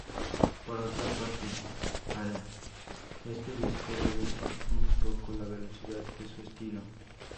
Por otra parte, para este disco reducen un poco la velocidad de su estilo.